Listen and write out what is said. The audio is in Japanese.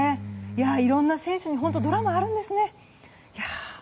いろんな選手に本当、ドラマがあるんですね。